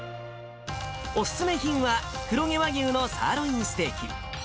お勧め品は、黒毛和牛のサーロインステーキ。